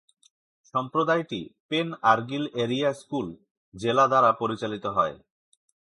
সম্প্রদায়টি Pen Argyl Area School জেলা দ্বারা পরিবেশিত হয়।